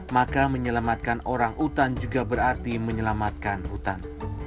maka menyelamatkan orang utan juga berarti menyelamatkan hutan